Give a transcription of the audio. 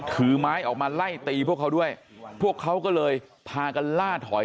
ถือไม้ออกมาไล่ตีพวกเขาด้วยพวกเขาก็เลยพากันล่าถอย